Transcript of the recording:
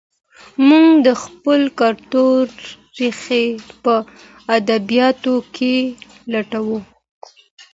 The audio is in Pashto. موږ د خپل کلتور ریښې په ادبیاتو کې لټوو.